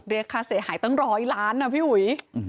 เรียกค่าเสียหายตั้งร้อยล้านนะพี่อุ๋ย